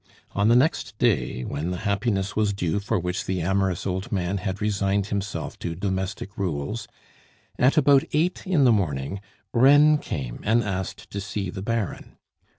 On the next day when the happiness was due for which the amorous old man had resigned himself to domestic rules, at about eight in the morning, Reine came and asked to see the Baron.